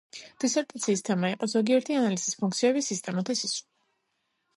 დისერტაციის თემა იყო: „ზოგიერთი ანალიზის ფუნქციების სისტემათა სისრულე“.